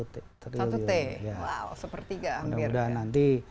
satu t wow sepertiga hampir